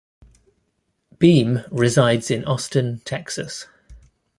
Beem resides in Austin, Texas.